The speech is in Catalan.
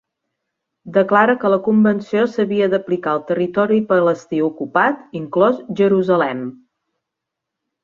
Declara que la Convenció s'havia d'aplicar al Territori Palestí Ocupat, inclòs Jerusalem.